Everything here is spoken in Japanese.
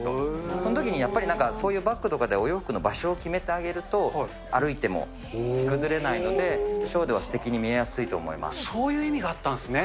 そのときに、やはりなんかそういうバッグとかで、お洋服の場所を決めてあげると、歩いても着崩れないので、ショーではすてきに見えやすいと思いまそういう意味があったんです